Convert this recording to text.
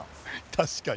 確かに。